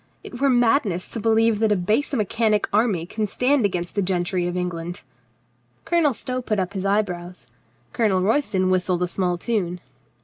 It were madness to believe that a base mechanic army can stand against the gentry of England." Colonel Stow put up his eyebrows. Colonel Roys ton whistled a small tune.